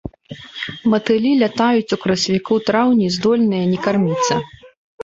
Матылі лятаюць у красавіку-траўні, здольныя не карміцца.